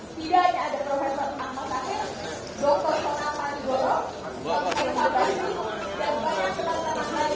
tidak hanya ada prof amatahir dr sonapan gorok prof sabayu dan banyak yang terkenal lagi